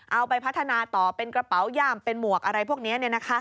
เอาไปพัฒนาต่อเป็นกระเป๋าย่ามเป็นหมวกอะไรพวกนี้